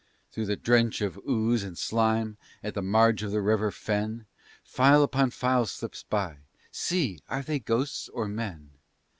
Through the drench of ooze and slime at the marge of the river fen File upon file slips by. See! are they ghosts or men?